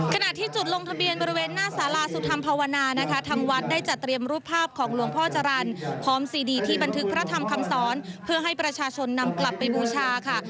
ขณะที่จุดลงทะเบียนบริเวณหน้าสาราสุธรรมภาวนานะคะทางวัดได้จัดเตรียมรูปภาพของหลวงพ่อจรรย์พร้อมซีดีที่บันทึกพระธรรมคำสอนเพื่อให้ประชาชนนำกลับไปบูชาค่ะ